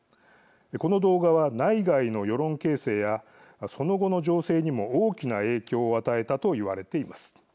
この動画は内外の世論形成やその後の情勢にも大きな影響を与えたと言われています。